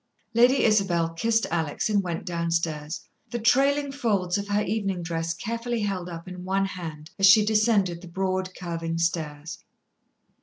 Lady Isabel kissed Alex, and went downstairs, the trailing folds of her evening dress carefully held up in one hand as she descended the broad, curving stairs.